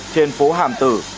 trên phố hàm tử